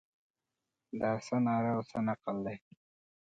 دا څه ناره او څه نقل دی.